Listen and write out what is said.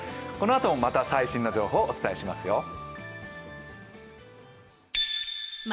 このあともまた最新の情報をお伝えしますよ。